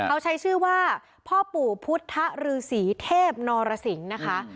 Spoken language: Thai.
เขาใช้ชื่อว่าพ่อปู่พุทธฤษีเทพนรสิงศ์นะคะ